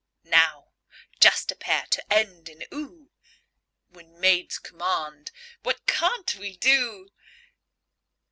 Now just a pair to end in "oo" When maids command, what can't we do?